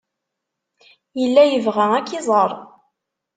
Yella yebɣa ad k-iẓer.